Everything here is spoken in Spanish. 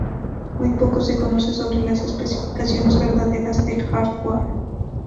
Muy poco se conoce sobre las especificaciones verdaderas del hardware.